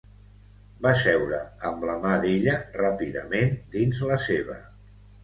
Va seure amb la mà d'ella ràpidament dins la seva.